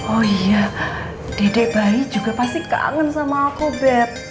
oh iya dedek bayi juga pasti kangen sama aku bed